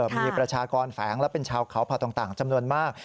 มีประชากรแฝงและเป็นชาวเขาผ่าต่างจำนวนมาก